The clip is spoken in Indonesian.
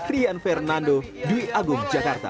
rian fernando dwi agung jakarta